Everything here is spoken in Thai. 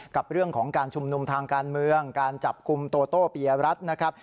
กับเรื่องของการชุมนุมทางการเมืองการจับกลุ่มโตโต้เปียรัฐนะครับ